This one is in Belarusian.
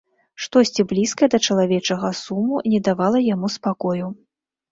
Штосьці блізкае да чалавечага суму не давала яму спакою.